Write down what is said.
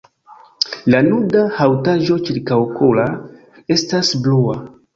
La nuda haŭtaĵo ĉirkaŭokula estas blua.